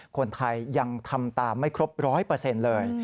คนไทยยังทำตามไม่ครบร้อยเปอร์เซ็นต์เลย